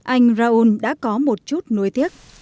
anh raul đã có một chút nuôi tiếc